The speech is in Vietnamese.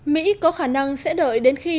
mỹ có khả năng sẽ đợi đến khi